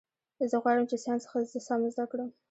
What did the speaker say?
زه غواړم چي ساینس ښه سم زده کړم.